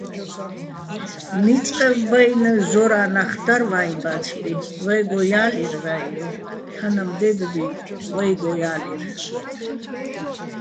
ნიწყ ბაჲნი̆, ზორა́ჼ ნახ დარ ვაჲ ბა́ცბი, ვაჲგო ჲა́ლირ რაიოჼ, თანამდე́ბბი ვაჲგო ჲა́ლირ.